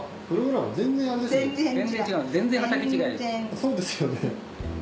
そうですよね。